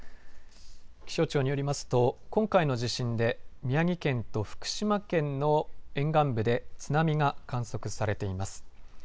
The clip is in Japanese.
気象庁によりますと今回の地震で宮城県と福島県の沿岸部で津波が観測されています。